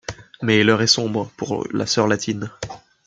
Mais l'heure est sombre pour la sœur latine.